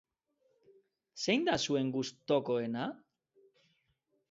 Zein da zuen gustokoena?